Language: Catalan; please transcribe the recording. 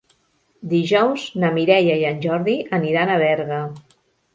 Dijous na Mireia i en Jordi aniran a Berga.